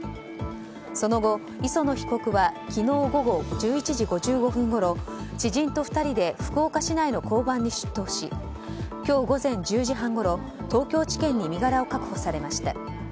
その後、磯野被告は昨日午後１１時５５分ごろ知人と２人で福岡市内の交番に出頭し今日午前１０時半ごろ東京地検に身柄を確保されました。